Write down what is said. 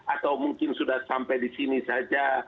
atau mungkin sudah sampai di sini saja